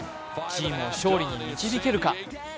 チームを勝利に導けるか。